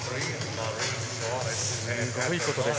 すごいことです。